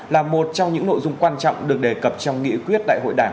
là một trong những nội dung quan trọng được đề cập trong nghị quyết đại hội đảng một mươi ba